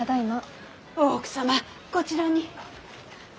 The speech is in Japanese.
大奥様こちらに。